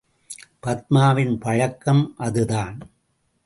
பத்மாவின் பழக்கம் அது தான்.